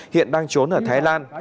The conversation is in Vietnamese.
hiện đang trốn ở thái lan